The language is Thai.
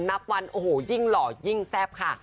นับวันโอ้โหยิ่งหล่อยิ่งแซ่บค่ะ